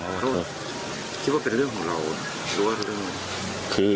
บ๊าซคิดว่ามันเป็นเรื่องของเราว่ารู้ว่าหรือว่า